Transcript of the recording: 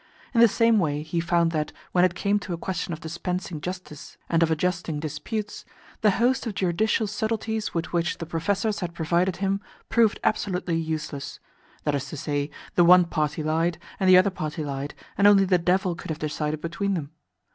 In the same way he found that, when it came to a question of dispensing justice and of adjusting disputes, the host of juridical subtleties with which the professors had provided him proved absolutely useless. That is to say, the one party lied, and the other party lied, and only the devil could have decided between them.